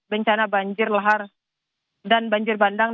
bencana banjir lahar dan banjir bandang